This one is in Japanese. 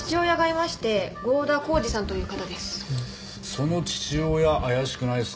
その父親怪しくないですか？